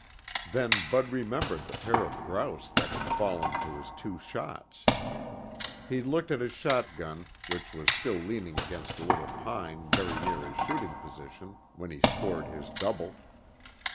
Then Bud remembered the pair of grouse that had fallen to his two shots. He looked at his shotgun, which was still leaning against the little pine very near his shooting position when he scored his double.